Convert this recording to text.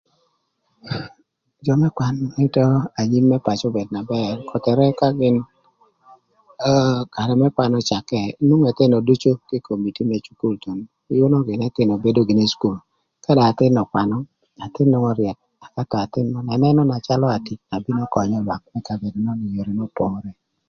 Jami më kwan nyutho anyim më pacö bedo na bër kothere ka karë më kwan öcakë nwongo ëthïnö ducu kï komiti më cukul thon yünö gïnï ëthïnö më bino ï cukul ka dong athïn nön ökwanö athïn nwongo ryëk ënënö na calö atic na nwongo könyö kabedo nön ï yoo n'opore.